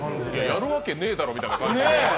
やるわけねぇだろみたいな感じで。